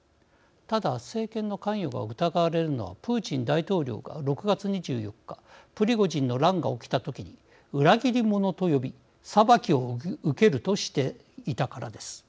ただ政権の関与が疑われるのはプーチン大統領が６月２４日プリゴジンの乱が起きた時に裏切り者と呼び裁きを受けるとしていたからです。